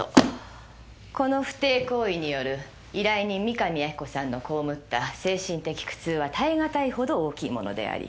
この不貞行為による依頼人三神亜希子さんの被った精神的苦痛は耐え難いほど大きいものであり。